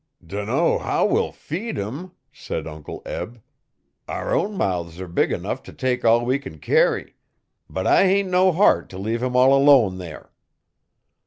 'Dunno how we'll feed him,' said Uncle Eb. 'Our own mouths are big enough t' take all we can carry, but I hain' no heart t' leave 'im all 'lone there.'